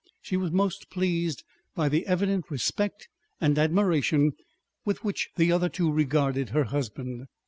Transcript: She was most pleased by the evident respect and admiration with which the other two regarded her husband.